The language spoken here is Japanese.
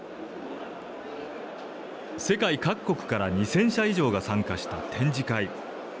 世界各国から２０００社以上が参加した展示会。